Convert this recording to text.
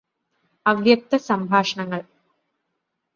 അവ്യക്ത സംഭാഷണങ്ങള്